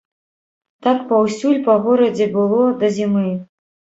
Так паўсюль па горадзе было да зімы.